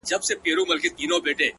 هم راته غم راکړه ته’ او هم رباب راکه’